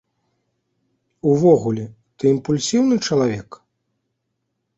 Увогуле, ты імпульсіўны чалавек?